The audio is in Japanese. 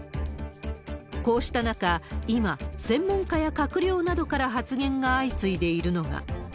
こうした中、今、専門家や閣僚などから発言が相次いでいるのが。